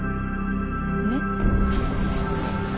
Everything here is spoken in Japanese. ねっ？